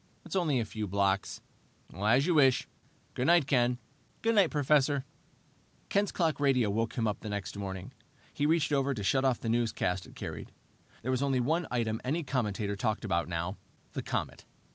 It's only a few blocks." "As you wish. Good night, Ken." "Good night, Professor." Ken's clock radio woke him the next morning. He reached over to shut off the newscast it carried. There was only one item any commentator talked about now, the comet.